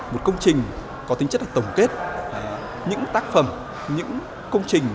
một công trình có tính chất tổng kết những tác phẩm những công trình